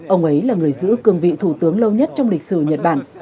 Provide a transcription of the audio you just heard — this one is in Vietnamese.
ông ấy là người giữ cương vị thủ tướng lâu nhất trong lịch sử nhật bản